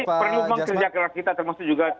ini perlindungan kerja kerja kita termasuk juga